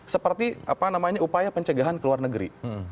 seperti apa namanya upaya pencegahan ke luar negeri